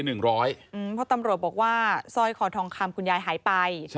เพราะตำรวจบอกว่าสร้อยคอทองคำคุณยายหายไป